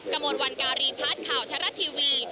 กระโมนวันการีพัฒน์ข่าวทรัศน์ทีวี